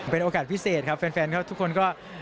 เป็นโอกาสพิเศษครับแฟนเขาทุกคนก็